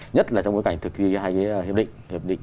nhất là trong bối cảnh thực hiện hai cái hiệp định